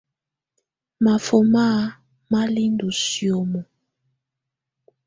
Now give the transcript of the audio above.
Máfɔ́má má lɛ́ ndɔ́ sìómo.